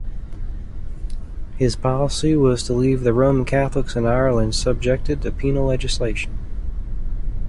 His policy was to leave the Roman Catholics in Ireland subjected to penal legislation.